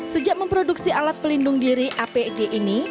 sejak memproduksi alat pelindung diri apd ini